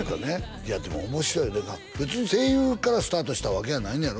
いやでも面白いのが別に声優からスタートしたわけやないのやろ？